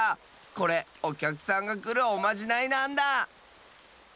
これおきゃくさんがくるおまじないなんだ！